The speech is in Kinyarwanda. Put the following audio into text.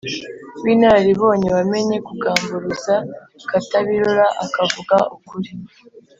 w’inararibonye, wamenye kugamburuza Katabirora akavuga ukuri